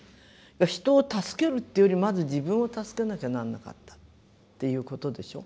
人を助けるっていうよりまず自分を助けなきゃなんなかった。ということでしょ。